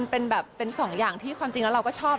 เป็นสองอย่างที่ความจริงเราก็ชอบ